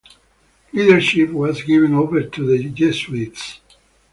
Leadership was given over to the Jesuits.